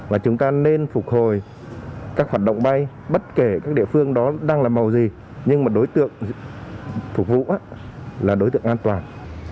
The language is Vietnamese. và chúng ta nên phục hồi các hoạt động bay bất kể các địa phương đó đang là màu gì nhưng mà đối tượng phục vụ là đối tượng an toàn